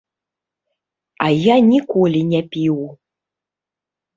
А я ніколі не піў.